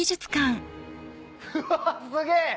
うわぁすげぇ！